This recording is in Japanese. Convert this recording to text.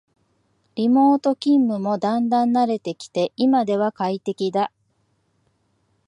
リモート勤務もだんだん慣れてきて今では快適だ